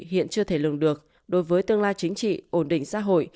hiện chưa thể lường được đối với tương lai chính trị ổn định xã hội